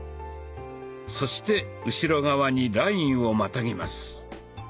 そして後ろ側にラインをまたぎます。